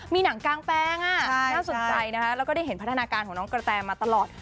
มีหนังกางแปลงน่าสนใจนะคะแล้วก็ได้เห็นพัฒนาการของน้องกระแตมาตลอด